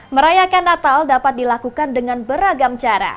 merayakan natal dapat dilakukan dengan beragam cara